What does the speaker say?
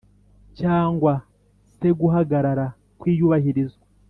cyangwa se guhagarara kw iyubahirizwa